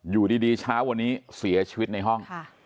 อยู่ดีเช้าวันนี้เสียชีวิตในห้อง